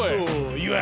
岩井